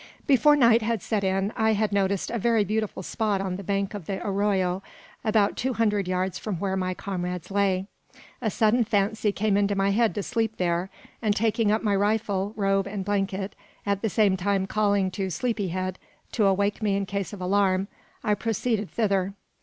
Before night had set in, I had noticed a very beautiful spot on the bank of the arroyo, about two hundred yards from where my comrades lay. A sudden fancy came into my head to sleep there; and taking up my rifle, robe, and blanket, at the same time calling to "Sleepy head" to awake me in case of alarm, I proceeded thither.